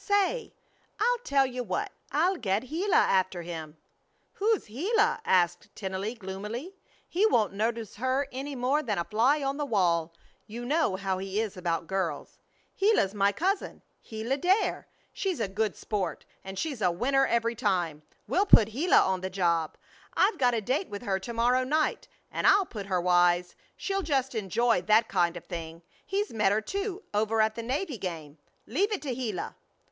Say! I'll tell you what. I'll get Gila after him." "Who's Gila?" asked Tennelly, gloomily. "He won't notice her any more than a fly on the wall. You know how he is about girls." "Gila's my cousin. Gila Dare. She's a good sport, and she's a winner every time. We'll put Gila on the job. I've got a date with her to morrow night and I'll put her wise. She'll just enjoy that kind of thing. He's met her, too, over at the Navy game. Leave it to Gila."